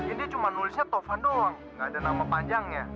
ini cuma nulisnya taufan doang nggak ada nama panjangnya